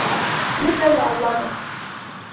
ځمکه د الله ده.